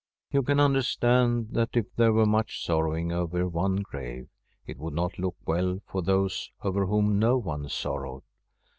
You can understand that if there were much sorrowing over one grave, it would not look well for those over whom no one sorrowed.